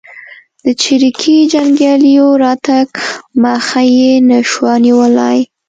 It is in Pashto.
د چریکي جنګیالیو راتګ مخه یې نه شوه نیولای.